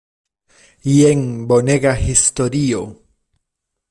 Jen bonega historio!